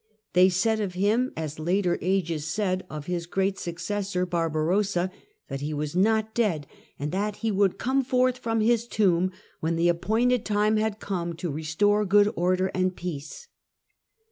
They said of him, as later ages said of his great successor Barbarossa, that he was not dead, and that he would come forth from his tomb, when the appointed time had come, to restore good order and peace.